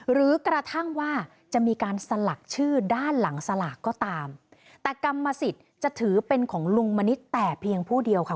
หรือกระทั่งว่าจะมีการสลักชื่อด้านหลังสลากก็ตามแต่กรรมสิทธิ์จะถือเป็นของลุงมณิษฐ์แต่เพียงผู้เดียวค่ะ